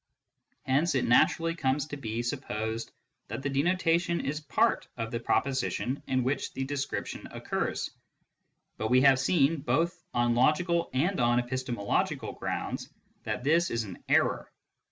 Hence it naturally comes to be supposed that the denotation is part of the proposition in which the description occurs. But we have seen, both on logical and on epistemological grounds, that this is an error.